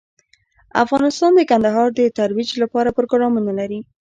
افغانستان د کندهار د ترویج لپاره پروګرامونه لري.